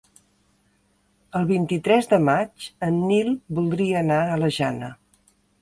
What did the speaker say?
El vint-i-tres de maig en Nil voldria anar a la Jana.